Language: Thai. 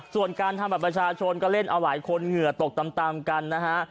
ส่วนการทำบัตรประชาชนก็เล่นเอาหลายคนเหงื่อตกตามกันนะฮะ